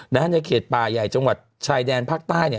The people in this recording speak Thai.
แถวเครียดป่าใหญ่จังหวัดชายแดนภาคใต้